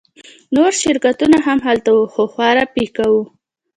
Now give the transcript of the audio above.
نور شرکتونه هم هلته وو خو خورا پیکه وو